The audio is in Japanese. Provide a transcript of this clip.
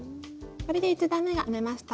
これで１段めが編めました。